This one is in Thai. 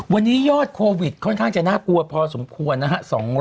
วันนี้ยอดโควิดค่อนข้างจะน่ากลัวพอสมควรนะฮะ